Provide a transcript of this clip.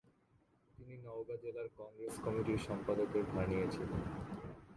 তিনি নগাঁও জেলা কংগ্রেস কমিটির সম্পাদকের ভার নিয়েছিলেন।